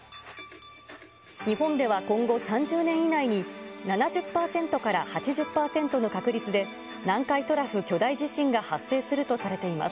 日本では今後３０年以内に、７０％から８０％の確率で南海トラフ巨大地震が発生するとされています。